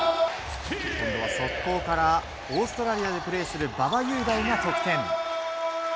今度は速攻からオーストラリアでプレーする馬場雄大が得点。